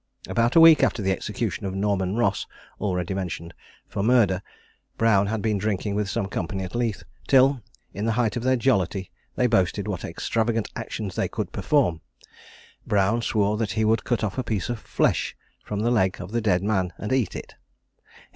About a week after the execution of Norman Ross (already mentioned) for murder, Brown had been drinking with some company at Leith, till, in the height of their jollity, they boasted what extravagant actions they could perform. Brown swore that he would cut off a piece of flesh from the leg of the dead man and eat it.